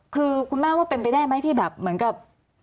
คือคุณแม่ว่าเป็นไปได้ไหมที่แบบเหมือนกับ